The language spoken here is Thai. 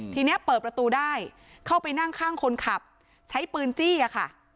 ทีนี้เปิดประตูได้เข้าไปนั่งข้างคนขับใช้ปืนจี้อะค่ะ